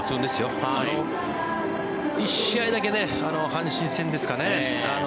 １試合だけ阪神戦ですかね